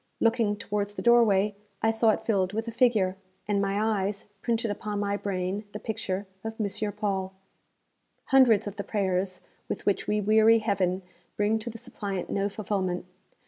Looking towards the doorway I saw it filled with a figure, and my eyes printed upon my brain the picture of M. Paul. Hundreds of the prayers with which we weary Heaven bring to the suppliant no fulfilment.